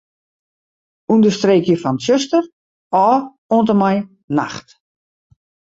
Understreekje fan 'tsjuster' ôf oant en mei 'nacht'.